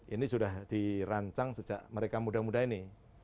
ini sudah dirancang sejak mereka muda muda ini